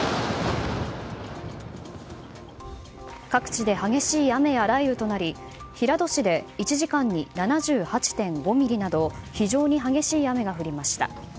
各地で激しい雨や雷雨となり平戸市で１時間に７８．５ミリなど非常に激しい雨が降りました。